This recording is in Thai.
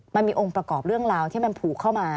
มันมีองค์ประกอบเรื่องราวที่มันผูกเข้ามา